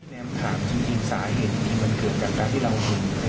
พี่แนมถามจริงสาเหตุนี้มันเกิดจากการที่เราคุย